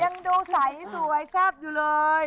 ยังดูใสสวยแซ่บอยู่เลย